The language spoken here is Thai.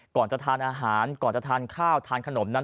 ก่อนจะทานอาหารก่อนจะทานข้าวทานขนมนั้น